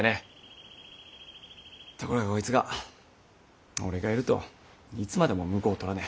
ところがこいつが俺がいるといつまでも婿を取らねえ。